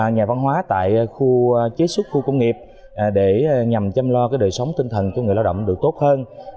nhà văn hóa tại khu chế xuất khu công nghiệp để nhằm chăm lo đời sống tinh thần cho người lao động được tốt hơn